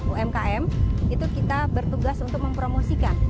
umkm itu kita bertugas untuk mempromosikan